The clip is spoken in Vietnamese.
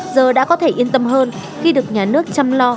giờ đã có thể yên tâm hơn khi được nhà nước chăm lo